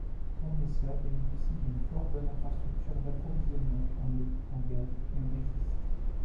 Conesa bénéficie d'une fort bonne infrastructure d'approvisionnement en eau, en gaz et en électricité.